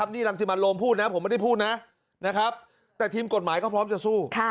นี่รังสิมันโรมพูดนะผมไม่ได้พูดนะนะครับแต่ทีมกฎหมายก็พร้อมจะสู้